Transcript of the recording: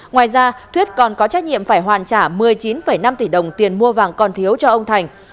ngoài ra thuyết còn có trách nhiệm phải hoàn trả một mươi chín năm tỷ đồng tiền mua vàng còn thiếu cho ông thành